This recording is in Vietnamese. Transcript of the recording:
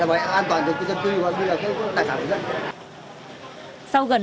rồi bây giờ an toàn được dân tư và dân tư là cái tài sản của dân